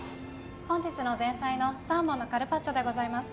・本日の前菜のサーモンのカルパッチョでございます